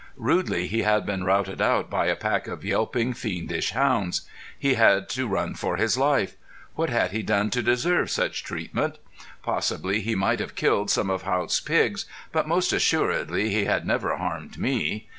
Rudely he had been routed out by a pack of yelping, fiendish hounds. He had to run for his life. What had he done to deserve such treatment? Possibly he might have killed some of Haught's pigs, but most assuredly he had never harmed me.